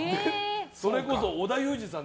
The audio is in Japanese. それこそ、織田裕二さん